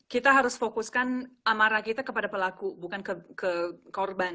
kita harus fokuskan amarah kita kepada pelaku bukan ke korban